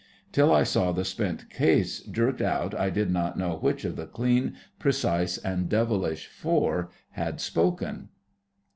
Till I saw the spent case jerked out I did not know which of the clean, precise, and devilish four had spoken.